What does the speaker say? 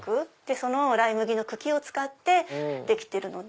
そのライ麦の茎を使ってできてるので。